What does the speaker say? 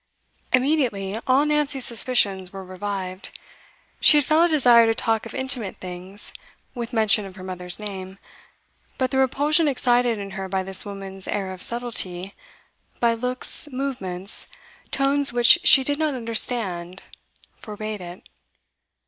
Immediately, all Nancy's suspicions were revived. She had felt a desire to talk of intimate things, with mention of her mother's name; but the repulsion excited in her by this woman's air of subtlety, by looks, movements, tones which she did not understand, forbade it.